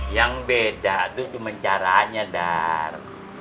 yang beda itu cuma caranya dar